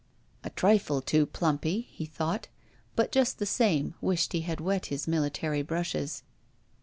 A trifle too plumpy," he thought, but just the same wished he had wet his miUtary brushes.